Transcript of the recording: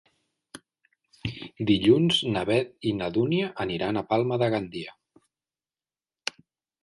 Dilluns na Beth i na Dúnia aniran a Palma de Gandia.